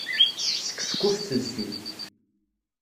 Teskefkuf tedfi.